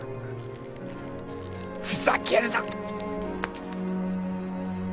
ふざけるな！